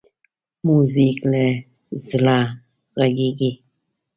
موزیک له زړه غږېږي.